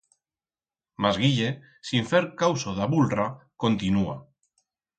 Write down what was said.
Mas Guille, sin fer causo d'a bulra, continúa.